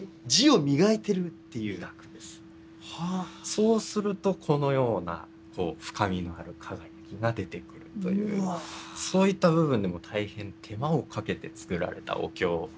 そうするとこのような深みのある輝きが出てくるというそういった部分でも大変手間をかけて作られたお経なんです。